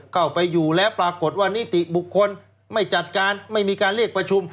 เข้าไปอยู่แล้วปรากฏว่านิติบุคคลไม่จัดการไม่มีการเรียกประชุม